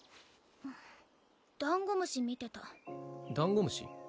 ダンゴムシ見てたダンゴムシ？